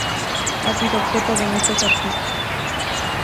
Ha sido objeto de muchos artistas.